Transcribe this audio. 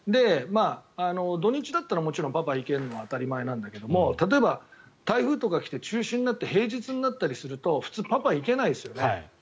土日だったらもちろんパパが行けるのは当たり前だったんだけど例えば台風が来たりして中止になったりして平日になったりすると普通、パパは行けないですよね。